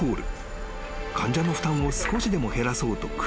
［患者の負担を少しでも減らそうと工夫を重ね